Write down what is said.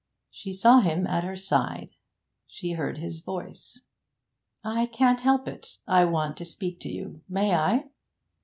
She saw him at her side: she heard his voice. 'I can't help it. I want to speak to you. May I?'